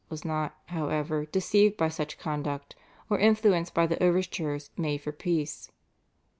was not, however, deceived by such conduct, or influenced by the overtures made for peace.